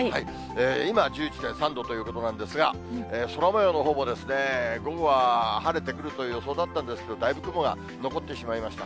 今１１．３度ということなんですが、空もようのほうも、午後は晴れてくるという予想だったんですけれども、だいぶ雲が残ってしまいました。